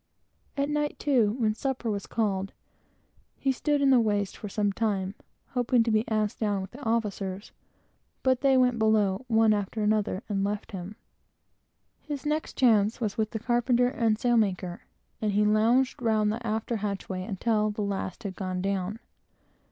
At night, too, when supper was called, he stood in the waist for some time, hoping to be asked down with the officers, but they went below, one after another, and left him. His next chance was with the carpenter and sail maker, and he lounged round the after hatchway until the last had gone down.